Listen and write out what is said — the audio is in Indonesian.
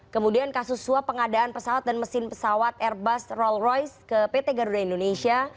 kemudian kasus suap pengadaan pesawat dan mesin pesawat airbus rolls royce ke pt garuda indonesia